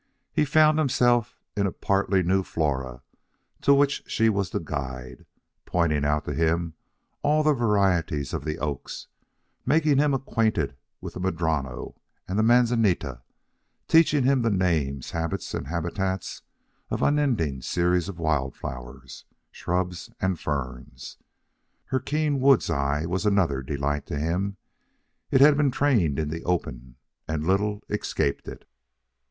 He found himself in a partly new flora, to which she was the guide, pointing out to him all the varieties of the oaks, making him acquainted with the madrono and the manzanita, teaching him the names, habits, and habitats of unending series of wild flowers, shrubs, and ferns. Her keen woods eye was another delight to him. It had been trained in the open, and little escaped it.